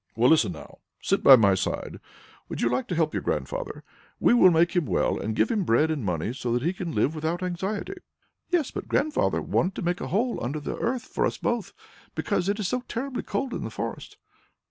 "Well, listen now. Sit here by my side. Would you like to help your grandfather? We will make him well and give him bread and money, so that he can live without anxiety." "Yes, but Grandfather wanted to make a hole under the earth for us both, because it is so terribly cold in the forest."